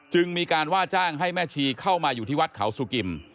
มีการว่าจ้างให้แม่ชีเข้ามาอยู่ที่วัดเขาสุกิม